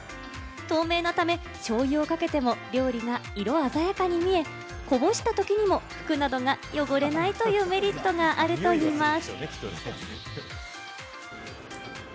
透明なため、しょうゆをかけても料理が色鮮やかに見え、こぼしたときにも服などが汚れないというメリットがあるといいます。